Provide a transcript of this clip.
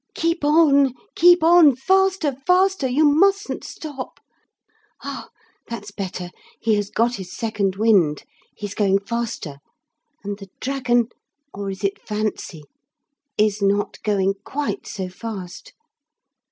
Keep on, keep on, faster, faster, you mustn't stop. Ah! that's better. He has got his second wind. He is going faster. And the dragon, or is it fancy? is going not quite so fast.